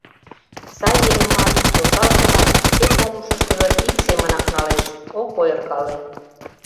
Сай еҥымат, осалжымат шке помышышкыжо ик семынак налеш, ок ойыркале...